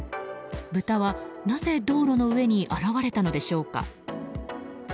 豚は、なぜ道路の上に現れたのでしょうか。